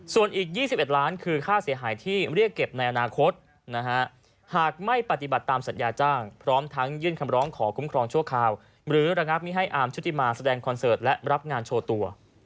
ส่วนอีก๒๑ล้านคือค่าเสียหายที่เรียกเก็บในอนาคตนะฮะหากไม่ปฏิบัติตามสัญญาจ้างพร้อมทั้งยื่นคำร้องขอคุ้มครองชั่วคราวหรือระงับมิให้อาร์มชุติมาแสดงคอนเสิร์ตและรับงานโชว์ตัว